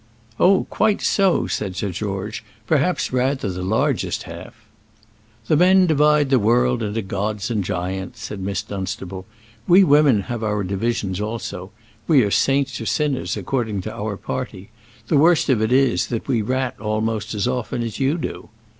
"Oh, quite so," said Sir George; "perhaps rather the largest half." "The men divide the world into gods and giants," said Miss Dunstable. "We women have our divisions also. We are saints or sinners according to our party. The worst of it is, that we rat almost as often as you do."